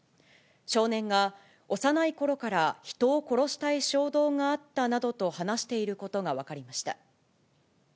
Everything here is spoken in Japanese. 少年が、幼いころから人を殺したい衝動があったなどと話していることが分かりました。